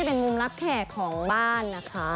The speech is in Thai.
เป็นมุมรับแขกของบ้านนะคะ